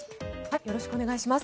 よろしくお願いします。